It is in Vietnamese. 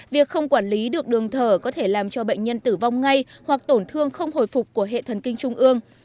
việc không quản lý được đường thở có thể làm cho bệnh nhân tử vong ngay hoặc tổn thương không hồi phục của hệ thần kinh trung ương